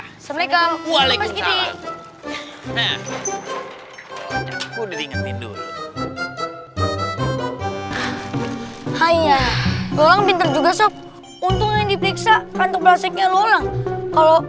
hai ya lo pinter juga sop untungnya dipiksa kantor plastiknya lolang kalau